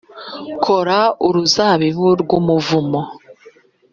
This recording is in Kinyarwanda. kora uruzabibu rw'umuvumo,